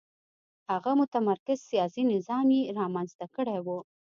هغه متمرکز سیاسي نظام یې رامنځته کړی و.